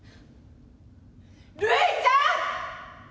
る以ちゃん！